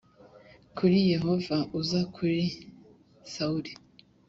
kuri Yehova uza kuri Sawuli